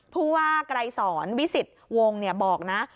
เพราะว่ากลายสอนวิสิตวงบอกนะ